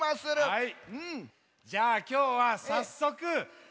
はい！